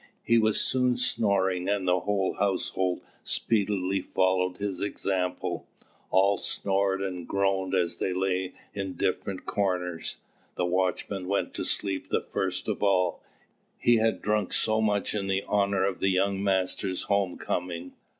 He was soon snoring, and the whole household speedily followed his example. All snored and groaned as they lay in different corners. The watchman went to sleep the first of all, he had drunk so much in honour of the young masters' home coming.